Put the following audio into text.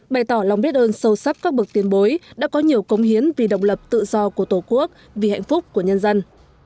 bày tỏ lòng biết ơn sâu sắc các bậc tiền bối đã có nhiều công hiến vì độc lập tự do của tổ quốc vì hạnh phúc của nhân dân